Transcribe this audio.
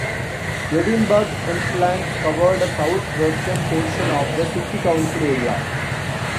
Edinburgh Pentlands covered a south-western portion of the city council area.